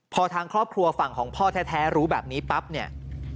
พอทางครอบครัวฝั่งของพ่อแท้รู้แบบนี้ปั๊บเนี่ย